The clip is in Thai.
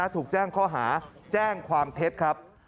ถูกแจ้งข้อหาแจ้งความเท็จครับ